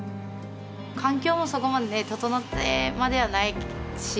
環境もそこまでね整ってまではないし。